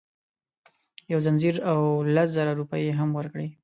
یو ځنځیر او لس زره روپۍ یې هم ورکړې.